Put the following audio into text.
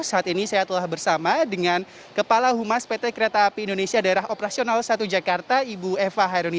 saat ini saya telah bersama dengan kepala humas pt kereta api indonesia daerah operasional satu jakarta ibu eva hairuni